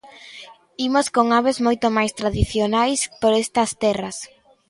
Imos con aves moito máis tradicionais por estas terras.